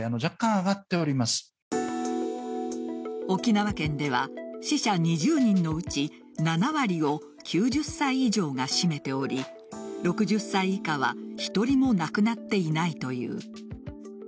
沖縄県では死者２０人のうち７割を９０歳以上が占めており６０歳以下は１人も亡くなっていないという。